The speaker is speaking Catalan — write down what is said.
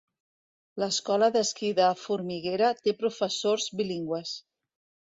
L’Escola d’esquí de Formiguera té professors bilingües.